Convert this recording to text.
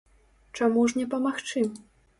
Чаму ж не памагчы?